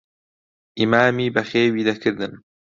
ئیمامی بەخێوی دەکردن.